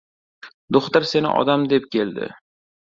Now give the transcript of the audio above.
— Do‘xtir seni odam deb keldi!